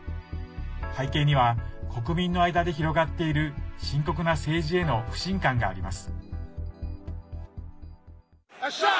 背景には国民の間で広がっている深刻な政治への不信感があります。